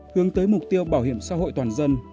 hướng tới mục tiêu bảo hiểm xã hội toàn dân